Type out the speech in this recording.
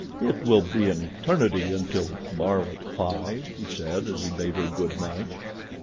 "It will be an eternity until tomorrow at five," he said, as he bade her good night.